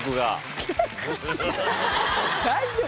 大丈夫？